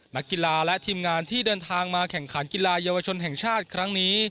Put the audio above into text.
นักกีฬาและทีมงานที่เดินทางมาแข่งขันกีฬาเยาวชนแห่งชาติครั้งนี้